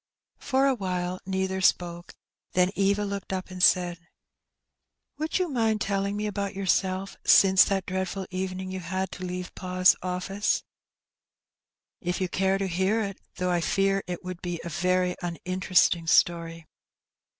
For awhile neither spoke^ then Eva looked up and said — "Would you mind telling me about yourself since that dreadful evening you had to leave pa's oflSce?'' '' If you care to hear it, though I fear it would be a very uninteresting story."